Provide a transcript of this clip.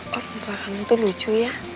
kok untuk kamu tuh lucu ya